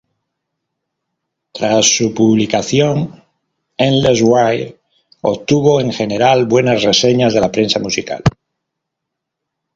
Tras su publicación, "Endless Wire" obtuvo en general buenas reseñas de la prensa musical.